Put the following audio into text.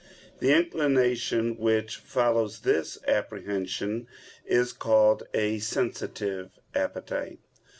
The inclination which follows this apprehension is called "a sensitive appetite."